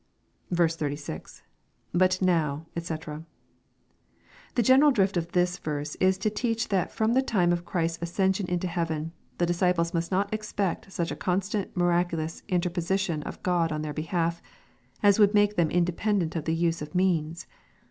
36. — [But now, dx,] The general drift of this verse is to teach that fi om the time of Christ's ascension into heaven, the disciples must not expect such a constant miraculous interposition of God ou their behalf, as would make them independent of tha use of means.